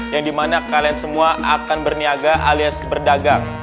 yang dimana kalian semua akan berniaga alias berdagang